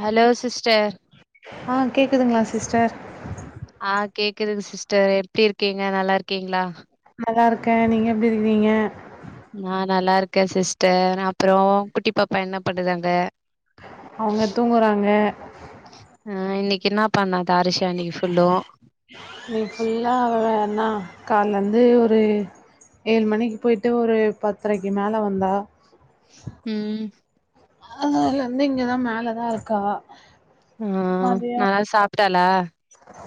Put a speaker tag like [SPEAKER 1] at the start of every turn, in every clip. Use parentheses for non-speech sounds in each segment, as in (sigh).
[SPEAKER 1] Hello sister
[SPEAKER 2] ஆ கேக்குதுங்களா sister
[SPEAKER 1] ஆஹ் கேக்குதுங்க சிஸ்டர் எப்படி இருக்கீங்க நல்லா இருக்கீங்களா
[SPEAKER 2] நல்லா இருக்கேன் நீங்க எப்படி இருக்கிறீங்க
[SPEAKER 1] நான் நல்லா இருக்கேன் சிஸ்டர் அப்புறம் குட்டி பாப்பா என்ன பண்னுறாங்க
[SPEAKER 2] அவங்க தூங்குறாங்க (inaudible)
[SPEAKER 1] ஆஹ் இன்னைக்கு என்ன பண்ணது அரசாணி ஃபுல்லும்
[SPEAKER 2] இன்னைக்கு ஃபுல்லா அண்ணா காலைலேருந்து ஒரு ஏழு மணிக்கு போயிட்டு ஒரு பத்தரைக்கு மேலே வந்தா
[SPEAKER 1] ம்
[SPEAKER 2] அதால இருந்து இங்கதான் மேலதான் இருக்கா
[SPEAKER 1] ஆஹ் நல்லா சாப்பிட்டாளா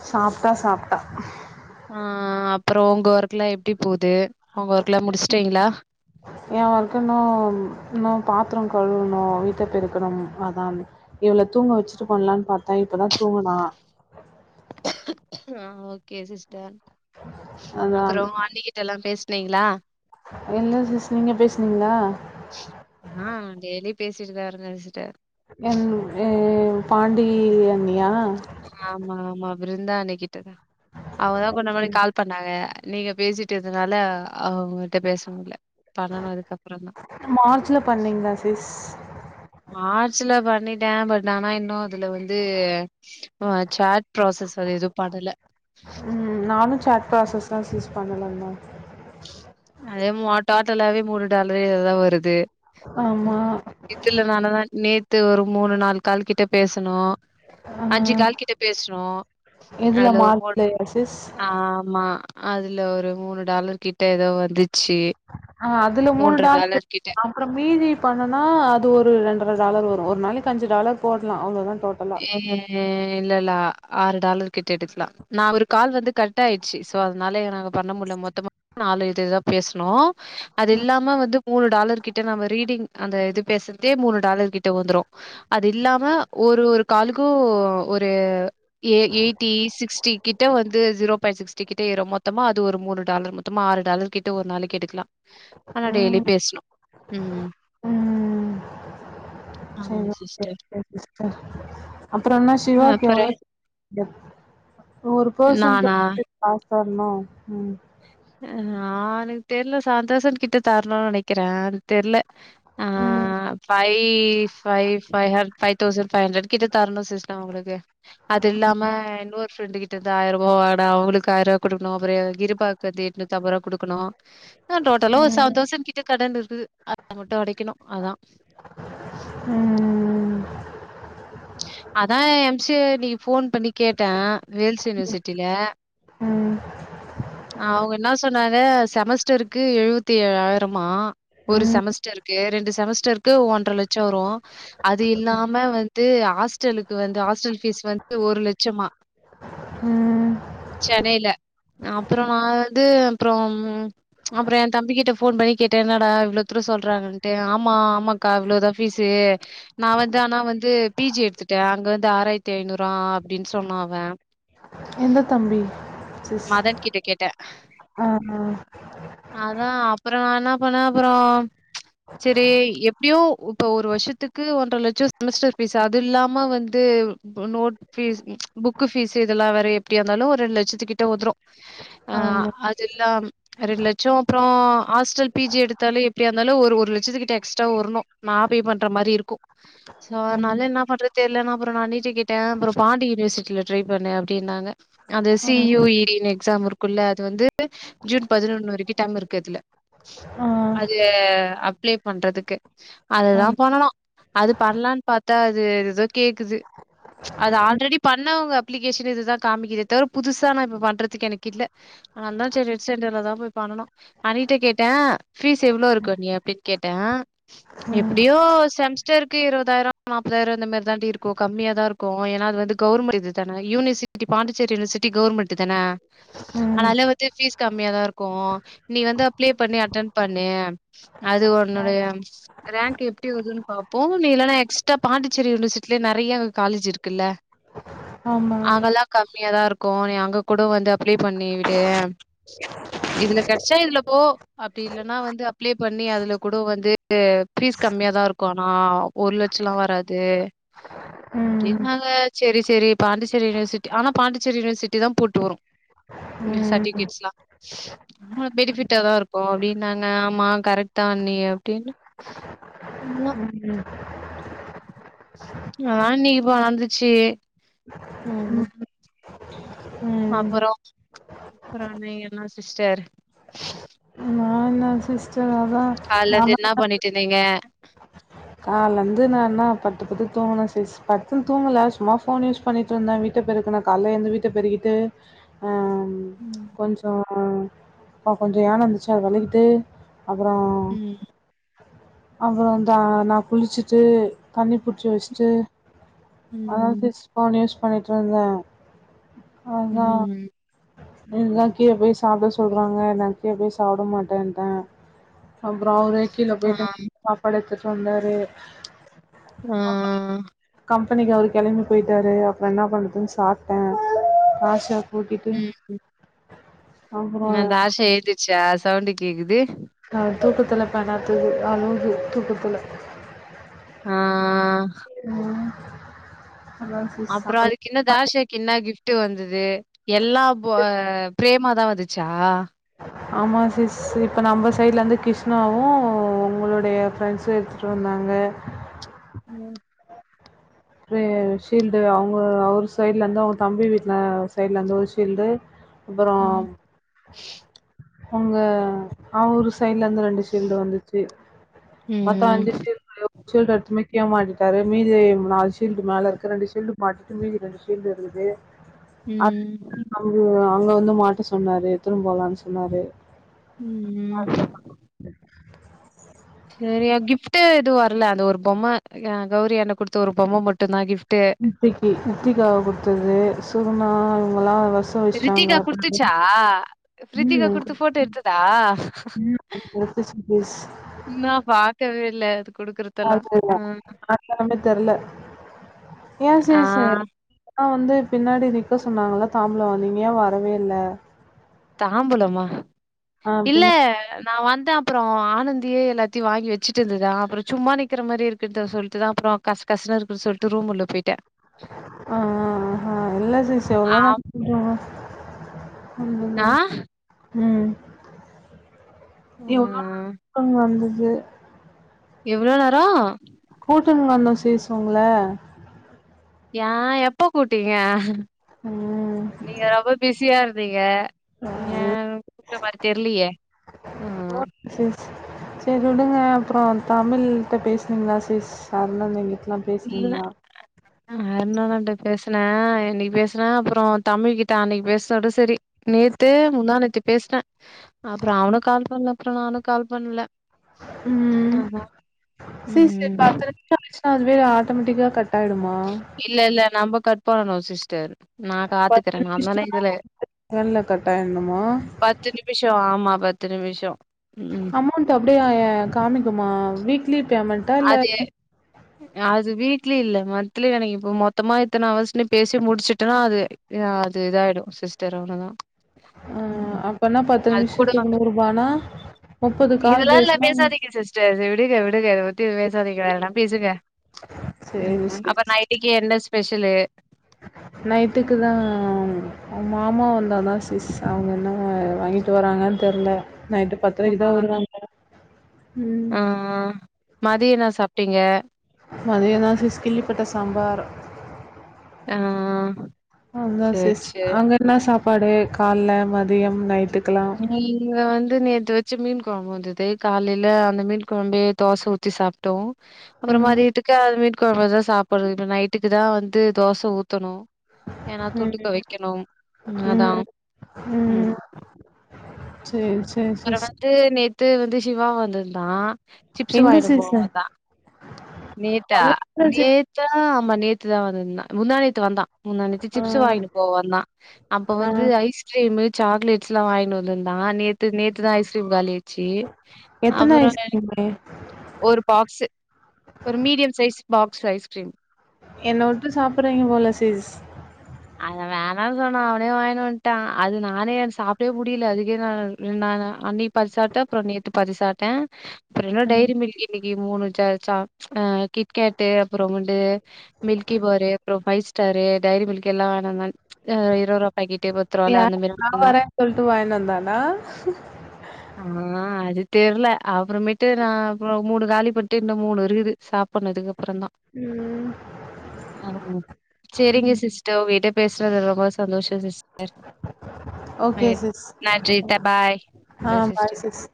[SPEAKER 2] சாப்பிட்டா சாப்பிட்டா
[SPEAKER 1] ஆஹ் அப்புறம் உங்க ஒர்க்கெல்லாம் எப்படி போகுது
[SPEAKER 2] என் ஒர்க் இன்னும் இன்னும் பாத்திரம் கழுவணும் வீட்டை பெருக்கணும் அதான் இவ்ள தூங்க வச்சுட்டு பண்ணலாம்னு பார்த்தா இப்பதான் தூங்குனா
[SPEAKER 1] ஆஹ் ஓகே சிஸ்டர்
[SPEAKER 2] அதா
[SPEAKER 1] அப்புறம் ஆண்டிகிட்டே எல்லாம் பேச நீங்களா
[SPEAKER 2] என்ன விஷேசம் நீங்க பேசனீங்கங்களா
[SPEAKER 1] ஆ டெய்லி பேசிட்டு தான் இருக்கேன் சிஸ்டர்
[SPEAKER 2] என் பாண்டி அண்ணியா
[SPEAKER 1] ஆமா ஆமா பிருந்தா அன்னைக்கி அவதான் கொஞ்ச முன்னாடி கால் பண்ணாங்க நீங்க பேசிட்டதுனால அவ அவங்ககிட்ட பேச முடியல
[SPEAKER 2] மார்ச்ல பண்ணீங்களா சிஸ்
[SPEAKER 1] மார்ச்ல பண்ணிட்டேன் பட் ஆனா இன்னும் அதுல வந்து ஆஹ சாட் ப்ராசஸ் அது எதுவும் பண்ணுல
[SPEAKER 2] தஸ்யூஸ் பண்ணலனா
[SPEAKER 1] அதே மொ டோட்டலாவே மூணு டாலர் ஏதா வருது
[SPEAKER 2] ஆமா
[SPEAKER 1] கிச்சல்ல நானா தா நேத்து ஒரு மூணு நாள் கால் கிட்ட பேசனோ
[SPEAKER 2] ஆ
[SPEAKER 1] அஞ்சு கால்கிட்ட பேசுனோ
[SPEAKER 2] எதுல
[SPEAKER 1] அதுல ஒ ம்
[SPEAKER 2] மார்ச்லயா சிஸ்
[SPEAKER 1] ஆமா அதுல ஒரு மூணு டாலர் கிட்ட ஏதோ வந்துச்சு.
[SPEAKER 2] ஆ அதுல மூணு டால்
[SPEAKER 1] கிட்ட
[SPEAKER 2] அப்புற மீதி பண்ணுனா அது ஒரு ரென்ற டாலர் வரு ஒரு நாளைக்கு அஞ்சு டாலர் போடலா அவ்ளோதா டோட்டலா
[SPEAKER 1] எ இல்லல்ல ஆறு டாலர் கிட்ட எடுக்கலா நா ஒரு கால் வந்து கட் ஆயிடுச்சு சோ அதனால என பண்ணமுடில மொத்தமா நாலு இதுதா பேசனோ அது இல்லாம வந்து மூணு டாலர் கிட்ட நம்ம ரீடிங் அந்த இது பேசறதே மூணு டாலர் கிட்ட வந்துரு அது இல்லாம ஒரு ஒரு காலுக்கு ஒரு எ எயிட்டி சிக்ஸ்ட்டி கிட்ட வந்து ஜீரோ பாயிண்ட் சிக்ஸ்ட்டிகிட்ட ஏறு மொத்தமா அது ஒரு மூணு டாலர் மொத்தமா ஆறு டாலர் கிட்ட ஒரு நாளைக்கு எடுக்கலா ஆனா டெய்லி
[SPEAKER 2] ம்
[SPEAKER 1] பேசனும் உம்
[SPEAKER 2] ம்
[SPEAKER 1] ஆ சிஸ்டர்
[SPEAKER 2] அப்பரோ என்ன சிவாக்கு
[SPEAKER 1] அப்புறம்
[SPEAKER 2] எவ்ளவு ஒரு பர்சன் கு
[SPEAKER 1] நானா?
[SPEAKER 2] (inaudible) சொன்னோ உம்
[SPEAKER 1] அ எனக்கு தெர்ல செவன் தோஸண்ட் கிட்ட தரணுனு நினக்கிறே அது தெர்ல
[SPEAKER 2] ம்
[SPEAKER 1] இ ஃபை ஃபை ஹர் ஃபை தோஸண்ட் ஃபை ஹுன்ட்ரேட் கிட்ட தரணும் சிஸ்ட அவங்களுக்கு அது இல்லாம இன்னொரு பிரின்ட் கிட்ட ஆயரூபா வாங்குன அவங்களுக்கு ஆயருபா குடுக்கணு அப்ரோ இருப் ப்பத்தி எட்நூத்தம்ப ரூபா குடுக்கணு ஆ டோட்டலா ஒரு
[SPEAKER 2] ம்
[SPEAKER 1] சவன் தௌசண்ட் கிட்ட கடன் இருக்குது அத மட்டு அடைக்கணு அதா
[SPEAKER 2] ம்
[SPEAKER 1] அதா எம் சி நீ போன் பண்ணி கேட்ட வேல்ஸ் யூனிவர்சிட்டில
[SPEAKER 2] ம்
[SPEAKER 1] அவுங்க என்ன சொன்னாங்க செமஸ்டருக்கு எழுபத்தி ஏழாயிரமா ஒரு
[SPEAKER 2] ம்
[SPEAKER 1] செமஸ்டருக்கு ரெண்டு செமஸ்டரு கு ஒன்ற லட்ச சம் வரு அது இல்லாம வந் டு ஆஸ் ஸ்டல் வந்து ஹாஸ்டல் பீஸ் வந்து ஒரு லட்சமா
[SPEAKER 2] ம்
[SPEAKER 1] சென்னைல அப்பறோ நா வந்து அப்பறோ அப்பறோ எ தம்பி கிட்ட போன் பண்ணி கேட்ட என்னடா இவ்ளோ தூரோ சொல்றாங்கன்ட்டு ஆமா ஆமாக்கா இவ்ளோதா ஃபீஸு நா வந்து ஆனா வந்து பிஜி எடுத்து அங்க வந்து ஆறாயிரத்தி ஐநூற அப்டின்னு சொன்ன அவ
[SPEAKER 2] எந்த தம்பி சிஸ்
[SPEAKER 1] மதன் கிட்ட கேட்டேன்.
[SPEAKER 2] ஆஹ்
[SPEAKER 1] அதா அப்புறம் நா என்ன பண்ணேன் அப்புறம் சரி எப்படியும் இப்ப ஒரு வருஷத்துக்கு ஒன்றர லட்சம் செமஸ்டர் பீஸ் அது இல்லாம வந்து நோட் பீஸ் புக் பீஸ் இதெல்லாம் வேற எப்படிய இருந்தாலும் ரெண்டு லட்சத்து கிட்ட வந்துரும்
[SPEAKER 2] ஆ ஆமா
[SPEAKER 1] அது இல்லாம ரண்டு லட்சம் அப்புறம் ஹாஸ்டல் பி ஜி எடுத்தாலே எப்படியா இருந்தாலும் ஒரு லட்சத்துகிட்ட எக்ஸ்ட வரணும் ந பே பண்ற மாரி இருக்கும் சோ அதனால
[SPEAKER 2] ம்
[SPEAKER 1] என்ன பண்றது தெரில அப்புறம் நா அண்ணிட கேட்ட அப்புறம் பாண்டி யூனிவர்சிட்டியில ட்ரை பண்ணே அப்படின்னாங்க அந்த
[SPEAKER 2] ஆ
[SPEAKER 1] சி யூ இ எக்ஸாம் இருக்குலா அது வந்து ஜூன் பதினொன் வரைக்கும் டைம் இருக்கு அதுல
[SPEAKER 2] ஆ
[SPEAKER 1] அது அப்ளை பண்றதுக்கு
[SPEAKER 2] ஆ
[SPEAKER 1] அதுதா
[SPEAKER 2] ம்
[SPEAKER 1] பண்ணும் அது பண்ணலாம்னு ப்த்தா அது ஏதோ கேக்குது அது ஆல்ரெடி பண்ணவங்க அப்பிளிக்கேஷன் தான் கம்மிகுது தா தவிர புதுசா நா இப்ப பண்றதுக்கு எனக்கு இல்ல அதா சரி நெட் சென்டர்ல தா போய் பண்ணும் அண்ணிட கேட்ட பீஸ் எவ்ளோ இருக்கும் அண்ணி அப்படி கேட்டன் எப்படியோ செமஸ்டருக்கு இருதாயிரம் நாப்பதாயிரம் இந்த மாி தா டி இருக்கு கம்மிய தா இருக்கு யேனா
[SPEAKER 2] ம்
[SPEAKER 1] இலே நிறைய காலேஜ் இருக்குல்ல
[SPEAKER 2] ஆமா
[SPEAKER 1] கம்மியாதா இருக்கு நீ அங்க கூட வந்து அப்ளை பண்ணி விடு இதுல கடைச்சா இதுல போ அப்படி இல்லைன்னா வந்து அப்ளை பண்ணி அதுல கூட வந்து பபீஸ் கம்மியாாதா இருக்கும் ஆனா ஒரு லட்ச லா வராது
[SPEAKER 2] ம்
[SPEAKER 1] அப்படனாங்க சரி சரி பாண்டிச்சேரி யூனவர்சிட்டி ஆனா பாண்டிச்சேரி யூனிவர்சிட்டி தா போட்டு
[SPEAKER 2] ம்
[SPEAKER 1] வரும்ரிபிகேட்ஸ் எாம்னிபிட்ட தா இருக்கு அப்படின்னாங்க ஆமா கரெக்ட் தான்ண்ணி அப்படின்னு
[SPEAKER 2] உம்
[SPEAKER 1] ஆஹா இன்னைக்குப்ப நடந்துச்சு உஹம்
[SPEAKER 2] ம்
[SPEAKER 1] அப்ரோ அப்ரோ நீ என்ல்ல சிஸ்டர்
[SPEAKER 2] ந சிஸ ஆஹ் ஹ் நா மட்டும்தா
[SPEAKER 1] டிடிங்க
[SPEAKER 2] கால வந்து நான் என்ன பத்து பத்து தூங்கினேன் சஸ் பத்துன்னு தூங்கல சும்மா போபோன் யூஸ் பண்ணிட்டு இருந்தேன் வீட்டை பெருக்கே கால எ இருந்து வீட்ட பெருக்கிட்டு அஹ் ம் கொஞ்சோ ஆஹ அ கொஞ்சோ யானம் இருந்துச்சு விளகிட்டு அப்ரோ
[SPEAKER 1] ம்
[SPEAKER 2] அப்ரோ தா நான் குளிச்சுட்டு தண்ணி புடிச்ச வச்சுட்டு அதா
[SPEAKER 1] ம்
[SPEAKER 2] சிஸ் ஃபோன் யூஸ் பண்ணிட்டுருந்த அதா
[SPEAKER 1] ம்
[SPEAKER 2] என்ல்லா கீழே போய் சாப்பிட சொல்றாங்க எ கீழே போய் சாப்பிட மாட்டேன்ட்ட அப்ரோ அவரே
[SPEAKER 1] ஆ
[SPEAKER 2] (unintelligible) சொந்தரு
[SPEAKER 1] ஆ
[SPEAKER 2] கம்பெனிக்கு அவர் கிளம்பி போயிட்டாரு அப்புறம் என்ன பண்ணுறதுன்னு சாப்பிட்ட ஆஷாக
[SPEAKER 1] உம்
[SPEAKER 2] அப்புறம்
[SPEAKER 1] என்னந்த ஆசை எழுதிச்சா தவண்டி கேக்குது
[SPEAKER 2] ஆஹ தூக்கத்துல பனாத்துது அலோகு தூக்கத்துல
[SPEAKER 1] ஆஹ்
[SPEAKER 2] ம் அதான்
[SPEAKER 1] அப்ரோ அதுக்கு என்ன
[SPEAKER 2] சிஸ்
[SPEAKER 1] தாஷக்கு என்ன கிஃப்ட் விட்டு வந்தது எல்லா போ பிரே மா தா வந்துச்சா
[SPEAKER 2] ஆமா சிஸ் இப்ப நம்ம சைடுல இருந்து கிருஷ்ணாவு உங்களுடைய ஃப்ரெண்ட்ஸு எடுத்துட்டு வந்தாங்க
[SPEAKER 1] ம்
[SPEAKER 2] ரே ஷீல்டு அவுங்க அவர் சைடுலருந்து அவங்க கம்பி வீட்டுல சைடுல இருந்து ஒரு ஷீல்டு அப்பறோ
[SPEAKER 1] ம்
[SPEAKER 2] உங்க அவரு சைடுல இருந்து ரெண்டு ஷல்டு வந்துச்சு மொத்தோ அஞ்சு
[SPEAKER 1] ம்
[SPEAKER 2] ஷீல்குளியோ ஷீல்டு அடுத்துமி கியே மாட்டிடாரு மீதி நாலு ஷீல்டு மேல இருக்கு ரெண்டு ஷீல்டு மாட்டிட்டு மீதி ரெண்டு ஷீல்டு இருக்குது அத்
[SPEAKER 1] ம்
[SPEAKER 2] அம்மியா அவுங்க வந்து மாட்ட சொன்னாரு எடுத்துனு போலானு சொ ன்னாறு
[SPEAKER 1] உம் சேரிய கிஃப்ட் எதுவு வரல அந்த ஒரு பொம்ம அ கௌரியாண்டா குடுத்து ஒரு பொம்ம மட்
[SPEAKER 2] ம் அத்தகி ரித்திகா குடுத்தது சுகுனாவு இவங்கல்லா வந்
[SPEAKER 1] ரித்திகா குடுத்துச்சா ரித்திகா
[SPEAKER 2] ம்
[SPEAKER 1] குடுத்து போட்டோ எடுத்துதா
[SPEAKER 2] எல் கே ஜி ஃபீஸ்
[SPEAKER 1] நா பாக்கவே இல்ல குடுக்குறதெல்லாம்.
[SPEAKER 2] அதுலா
[SPEAKER 1] ம்
[SPEAKER 2] அப்பறமே தெர்ல ஏன்
[SPEAKER 1] ஆ
[SPEAKER 2] சிஸ் சே க்கா வந்து பின்னாடி நிக்க சொன்னாங்கல்ல தாம்பூலோ வங்க நீங்க ஏ வரவே இல்ல
[SPEAKER 1] தாம்பூலம்மா
[SPEAKER 2] ஆ
[SPEAKER 1] இல்ல
[SPEAKER 2] பின்ன
[SPEAKER 1] நா வந்தே அப்பறோ ஆனந்தியே எல்லாத்தியு வாங்கி வெச்சுட்டு இருந்துதா அப்றோ சும்மா நிக்கிற மாரி இருக்குது சொல்லிட்டுதா அப்றோ கஸ் கஸினு இருக்குனு சொல்லிட்டு ரூம் உள்ள போய்டே
[SPEAKER 2] ஆ ஆ ஆஹா இல்ல சிஸ் எவ்ளோ நா (unintelligible)
[SPEAKER 1] ஆஹ்
[SPEAKER 2] உம் எவ்ளோ
[SPEAKER 1] ம்
[SPEAKER 2] (inaudible) ஆ வந்தது இது
[SPEAKER 1] எவ்ளோ நேரோ
[SPEAKER 2] கூட்டினு வந்தோ சிஸ் உங்கள
[SPEAKER 1] ஏயா எப்ப கூட்டீங்க
[SPEAKER 2] ம்
[SPEAKER 1] நீங்க ரொம்ப பிஸியா இருந் தீங்க ஏயா கூப்ட மாறித்தெர்லியே உம்
[SPEAKER 2] செரி உடுங்க அப்பறோ தமிழ்ட்ட பேசுனீங்களா சிஸ் அருணண்ண கிட்ட
[SPEAKER 1] இல்ல அருண் அண்ணா கிட்ட பேசுனே இன்னைக்கு பேசுனே அப்பறோ தமிழ் கிட்ட அன்னைக்கு பேசனதோட செரி நேத்து முந்தானேத்து பேசுன அப்பறோ அவனு கால் பண்ணல அப்றோ நானு கால் பண்ணல
[SPEAKER 2] ம்
[SPEAKER 1] அதான்
[SPEAKER 2] செரி சேரி
[SPEAKER 1] ம்
[SPEAKER 2] பாத்து (unintelligible) ஆட்டமட்டிக்கா கட் ஆயிடுமா
[SPEAKER 1] இல்ல இல்ல நம்ப கட் பண்ணனும் சிஸ்டர் நா
[SPEAKER 2] பத்து
[SPEAKER 1] காத்துக்கறே நா தான
[SPEAKER 2] நிமிஷம்
[SPEAKER 1] இதுல
[SPEAKER 2] செகண்ட்ல கட் ஆயிடணுமா
[SPEAKER 1] பத்து நிமிஷோ ஆமா பத் பத்து நிமிஷோ
[SPEAKER 2] அமௌண்ட் அப்டியா காமிக்குமா வீக்லி பேமெண்ட்
[SPEAKER 1] அது அது வீ லி இல்ல மன்த்லி எனக்கு இப்ப மொத்தமா இத்தனை அவர்ஸ்னு பேசி முடிச்சுட்டனா அது அது இதாயிடும் சிஸ்டர் அவ்ளோதான்
[SPEAKER 2] ஆ
[SPEAKER 1] ம்
[SPEAKER 2] அப்பனா பத்து
[SPEAKER 1] அது கூடல்லாம்
[SPEAKER 2] நிமிஷத்துக்கு
[SPEAKER 1] இல்ல
[SPEAKER 2] நூறுபானா முப்பது கால்
[SPEAKER 1] இதுலா இது
[SPEAKER 2] பேசுனா
[SPEAKER 1] பேசாதீங்க சிஸ்டர் விடுக விடுக இதபத் பேசாதிங்க வேறயதனா பேசுங்க
[SPEAKER 2] சேரி
[SPEAKER 1] ம்
[SPEAKER 2] சேரி
[SPEAKER 1] அப்ப நைட்டிக்கு என்ன செய் ஸ்பெஷலு
[SPEAKER 2] நைட்டுக்கு தா மாமா வந்தாதா சிஸ் அவுங்க என்ன வாங்கிட்டு வராங்கன்னு தெர்ல நைட்டு
[SPEAKER 1] ஆ
[SPEAKER 2] பத்தரைக்குதா வருவாங்க போல ம்
[SPEAKER 1] ஆ மதிய என்ன சாப்பிட்டீங்க
[SPEAKER 2] மதியதான் சிஸ் கில்லிப்பட்ட சாம்பார்
[SPEAKER 1] ஆஹ்
[SPEAKER 2] அதான் சிஸ் அங்க என்ன சாப் படை கால்ல மதியம் நைட்டு
[SPEAKER 1] இவ இவ வந்து ந்து நேத்து வச்ச மீன் குழம்பு வந்தது காலையில அந்த மீன் குழம்பையே தோசை ஊத்தி சாப்ட்டோ அப்பரோ
[SPEAKER 2] ம்
[SPEAKER 1] மாரி விட்டுச்சா அது விட் குழம்பதான் சாப்பிடுறது நைட்டுக்கு தான் வந்து தோசை ஊத்தணும் ஏன்னா தொட்டி
[SPEAKER 2] ம்
[SPEAKER 1] தொவைக்கணும் ம் அதான் ம்
[SPEAKER 2] சேர் சேர் சே சே
[SPEAKER 1] த்து வந்து சிவா வந்திருந்தான் சிப்ஸ்
[SPEAKER 2] எங்க
[SPEAKER 1] வாங்கிட்டு
[SPEAKER 2] சிஸ்
[SPEAKER 1] போக வந்தா நேத்தா
[SPEAKER 2] கொல்லைல சிஸ்
[SPEAKER 1] நேத்தா அமா நேத்து தான் வந்தா முந்தா நேத்து வந்தான் முந்தா நேத்து
[SPEAKER 2] ஆ
[SPEAKER 1] சிப்ஸ் வாங்கிட்டு போவ வந்தான் அப்ப
[SPEAKER 2] ஆ
[SPEAKER 1] வந்து ஐஸ்கிரீம்மு சாக்லேட்ஸ்ல்லாம் வாங்கிட்டு வந்து இருந்தா நேத் நேத்து தான் ஐஸ்க்கிரீம் காலி சேர்
[SPEAKER 2] எத்தன
[SPEAKER 1] அப்புறம் வேல
[SPEAKER 2] ஐஸ்கிரீமு
[SPEAKER 1] ஒரு பாக்ஸு ஒரு மீடியம் சைஸ் பாக்ஸ் ஐஸ்கிரீம்
[SPEAKER 2] என்ன உட்டு சாப்பிறீங்க போல சிஸ்
[SPEAKER 1] அத வேணான்னு சொன்னா அவனே வாங்கினு வன்ட்டா அது நானே சாப்ட்டவே புடியல அதுக்கே நான் ந அன்னிப் பாதி சாப்ட்டே அப்புறோ நேத்து பதி சாப்ட்டே அப்புறோ இன்னேரு
[SPEAKER 2] ம்
[SPEAKER 1] டைரி மில்க் கி மூணு ச-சாக் ஹா கிட்கேட்டு அப்புறோ (unintelligible) மில்கி பாரு அப்புறோ ஃபைவ் ஸ்டாரு டைரி மில்க் எல்லா வங்கிட்வந்தாங் ஆஹ் இருபதுரூபா பக்கேட்டு பத்து ரூபால அந்த
[SPEAKER 2] யார்
[SPEAKER 1] மேரி
[SPEAKER 2] நா
[SPEAKER 1] மட்டுந்தா
[SPEAKER 2] வரேன் சொல்ட்டு வாங்கினு வந்தானா
[SPEAKER 1] ஆ அது தெரல அப்புறமேட்டு நா மூணு காலி பண்ணிட்டு இன்னு மூணு இருக்குது சாப்புட்றதுக்கு அப்புறோ தா
[SPEAKER 2] ம்
[SPEAKER 1] (unintelligible) சேரிங்க சிஸ் உங்கக்கிட்ட பேசறது ரொம்ப சந்தோஷம் சிஸ்டர்
[SPEAKER 2] ஓகே சிஸ் ஆ
[SPEAKER 1] பாய் சிஸ்டர்
[SPEAKER 2] பாய் சிஸ்